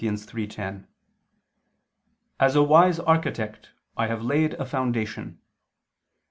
3:10: "As a wise architect, I have laid a foundation."